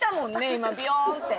今ビヨンって。